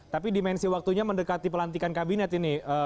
tapi dimensi waktunya mendekati pelantikan kabinet ini